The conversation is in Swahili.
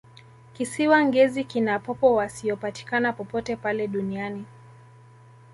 kisiwa ngezi kina popo wasiyopatikana popote pale duniani